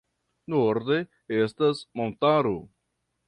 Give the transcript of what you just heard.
Norde estas montaro.